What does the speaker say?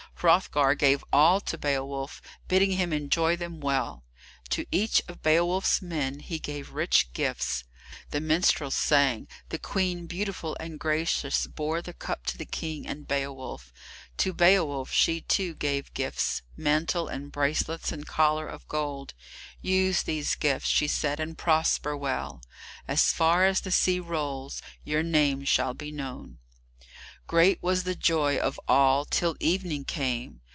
Hrothgar gave all to Beowulf, bidding him enjoy them well. To each of Beowulf's men he gave rich gifts. The minstrels sang; the Queen, beautiful and gracious, bore the cup to the King and Beowulf. To Beowulf she, too, gave gifts: mantle and bracelets and collar of gold. "Use these gifts," she said, "and prosper well! As far as the sea rolls your name shall be known." Great was the joy of all till evening came.